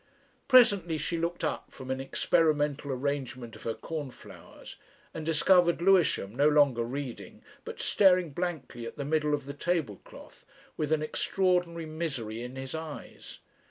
Presently she looked up from an experimental arrangement of her cornflowers, and discovered Lewisham, no longer reading, but staring blankly at the middle of the table cloth, with an extraordinary misery in his eyes.